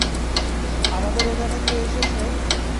আমাদের এখানে কে এসেছে?